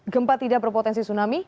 gempa tidak berpotensi tsunami